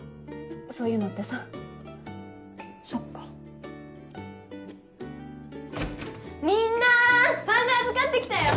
そういうのってさそっか・・みんなーファンレ預かってきたよ！